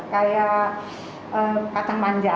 kayak kacang manja